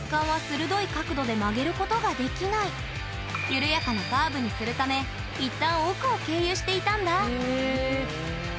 実は緩やかなカーブにするため一旦奥を経由していたんだ！